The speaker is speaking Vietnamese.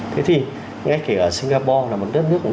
thế thì ngay kể ở singapore là một đất nước